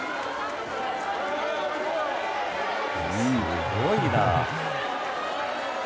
すごいな。